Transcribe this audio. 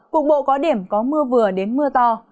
cục bộ có điểm có mưa vừa đến mưa to